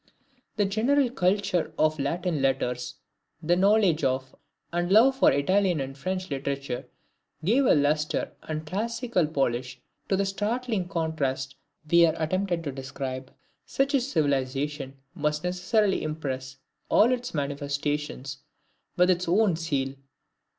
The general culture of Latin letters, the knowledge of and love for Italian and French literature gave a lustre and classical polish to the startling contrasts we hare attempted to describe. Such a civilization must necessarily impress all its manifestations with its own seal.